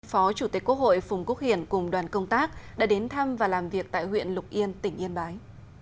phó chủ tịch quốc hội phùng quốc hiển cùng đoàn công tác đã đến thăm và làm việc tại huyện lục yên tỉnh yên bái